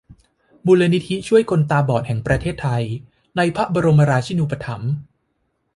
มูลนิธิช่วยคนตาบอดแห่งประเทศไทย ในพระบรมราชินูปถัมภ์